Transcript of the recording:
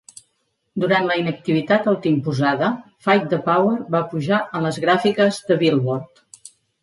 Durant la inactivitat autoimposada, "Fight the Power" va pujar a les gràfiques de "Billboard".